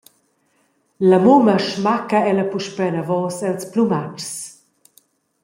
La mumma smacca ella puspei anavos els plumatschs.